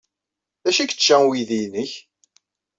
D acu ay yečča uydi-nnek?